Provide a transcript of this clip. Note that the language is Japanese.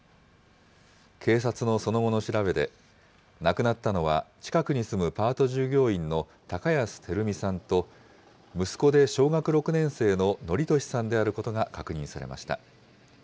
警察のその後の調べで、亡くなったのは、近くに住むパート従業員の高安照美さんと、息子で小学６年生の規稔さんであることが確認されました。